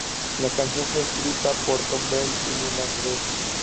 La canción fue escrita por Thom Bell y Linda Creed.